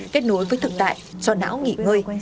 kết nối với thực tại cho não nghỉ ngơi